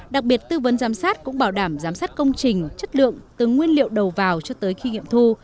đặc biệt tư vấn giám sát cũng bảo đảm giám sát công trình chất lượng từ nguyên liệu đầu vào cho tới khi nghiệm thu